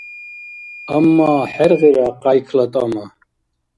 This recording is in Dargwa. Амма хӀергъира къяйкла тӀама.